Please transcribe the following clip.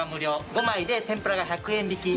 ５枚で天ぷらが１００円引き。